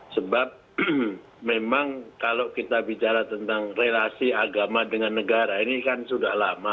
sebab memang kalau kita bicara tentang relasi agama dengan negara ini kan sudah lama